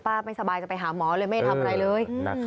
ไม่สบายจะไปหาหมอเลยไม่ทำอะไรเลย